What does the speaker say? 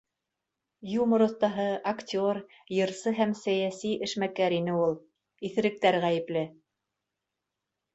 Юмор оҫтаһы, актер, йырсы һәм сәйәси эшмәкәр ине ул. Иҫеректәр ғәйепле